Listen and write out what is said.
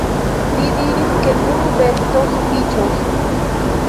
"Ri diris ke unu besto sufiĉos."